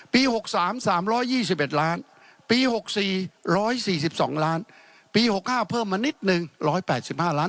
๖๓๓๒๑ล้านปี๖๔๑๔๒ล้านปี๖๕เพิ่มมานิดนึง๑๘๕ล้าน